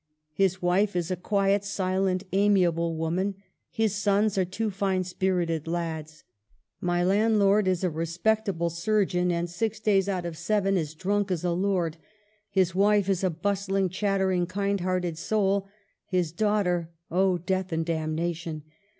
His wife is a quiet, silent, amiable woman ; his sons are two, fine, spirited lads. My landlord is a respectable surgeon, and six days out of seven as drunk as a lord ; his wife is a bustling, chattering, kind hearted soul; his daughter — oh! death and damnation